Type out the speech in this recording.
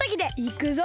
いくぞ！